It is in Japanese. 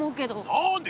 何で？